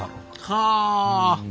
はあ。